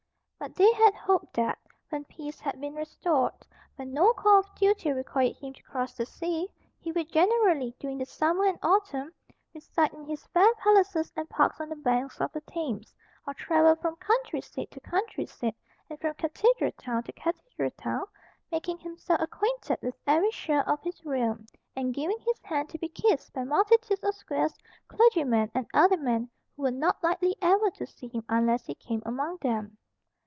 But they had hoped that, when peace had been restored, when no call of duty required him to cross the sea, he would generally, during the summer and autumn, reside in his fair palaces and parks on the banks of the Thames, or travel from country seat to country seat, and from cathedral town to cathedral town, making himself acquainted with every shire of his realm, and giving his hand to be kissed by multitudes of squires, clergymen and aldermen who were not likely ever to see him unless he came among them.